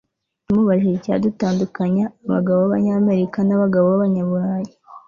tumubajije icyatandukanya abagabo babanyamerika nabagabo babanyaburayi